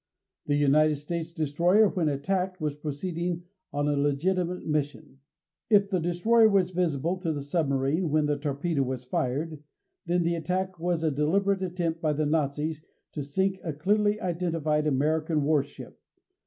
The United States destroyer, when attacked, was proceeding on a legitimate mission. If the destroyer was visible to the submarine when the torpedo was fired, then the attack was a deliberate attempt by the Nazis to sink a clearly identified American warship.